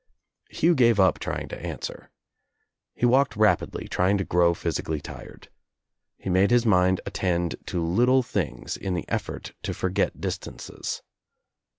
Hugh gave up trying to answer. He walked rapidly, trying to grow physically tired. He made his mind attend to little things in the effort to forget distances.